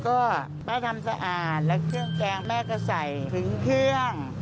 ก็แม่ทำสะอาดและเครื่องแกงแม่ก็ใส่ถึงเครื่อง